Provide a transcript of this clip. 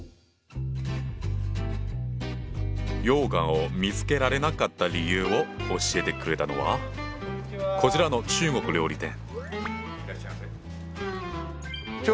羊羹を見つけられなかった理由を教えてくれたのはこちらの中国料理店。